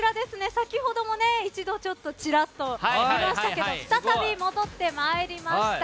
先ほども一度ちらっと見ましたけど再び戻ってまいりました。